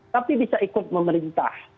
tapi bisa ikut pemerintah